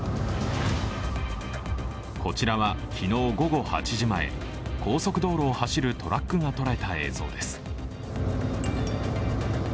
こちらは昨日午後８時前高速道路を走るトラックが捉えた映像です。